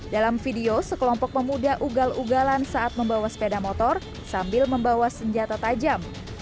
dalam video sekelompok pemuda ugal ugalan saat membawa sepeda motor sambil membawa senjata tajam